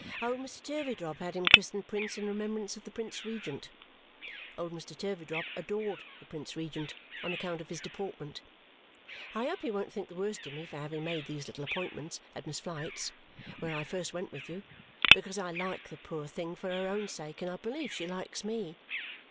Old Mr. Turveydrop had him christened Prince in remembrance of the Prince Regent. Old Mr. Turveydrop adored the Prince Regent on account of his deportment. I hope you won't think the worse of me for having made these little appointments at Miss Flite's, where I first went with you, because I like the poor thing for her own sake and I believe she likes me.